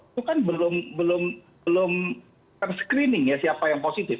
itu kan belum ter screening ya siapa yang positif